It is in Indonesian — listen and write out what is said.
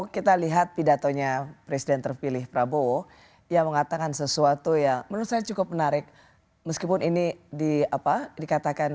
kita lihat sosok prabowo sekarang ini kan